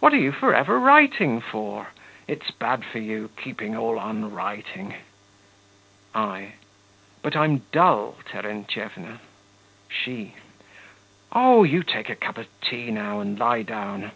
what are you for ever writing for? it's bad for you, keeping all on writing. I. But I'm dull, Terentyevna. SHE. Oh, you take a cup of tea now and lie down.